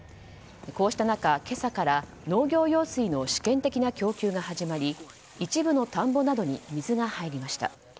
こうした中、今朝から農業用水の試験的な供給が始まり一部の田んぼなどに水が入りました。